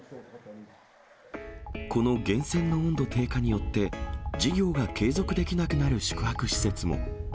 この源泉の温度低下によって、事業が継続できなくなる宿泊施設も。